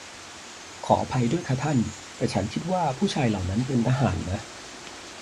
ขออภัยด้วยค่ะท่าน แต่ฉันคิดว่าผู้ชายเหล่านั้นเป็นทหารนะ